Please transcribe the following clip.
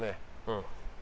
うん。